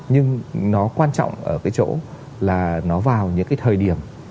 nhưng nó quan trọng ở cái chỗ là nó vào những cái thời điểm